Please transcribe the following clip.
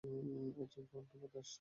অর্জুন উল্টো পথে আসছে।